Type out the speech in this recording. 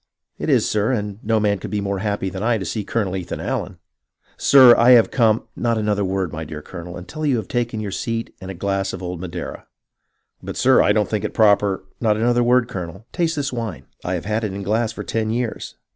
"' It is, sir, and no man could be more happy than I to see Colonel Ethan Allen.' "' Sir, I have come —'"' Not another word, my dear Colonel, until you have taken your seat and a glass of old madeira.' 20 HISTORY OF THE AMERICAN REVOLUTION "' But, sir, I don't think it proper —'"' Not another word, Colonel. Taste this wine ; I have had it in glass for ten years.'